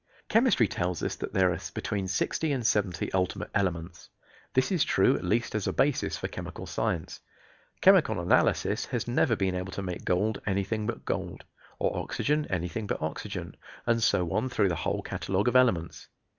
Chemistry tells us that there are between sixty and seventy ultimate elements. This is true at least as a basis for chemical science. Chemical analysis has never been able to make gold anything but gold, or oxygen anything but oxygen, and so on through the whole catalogue of elements.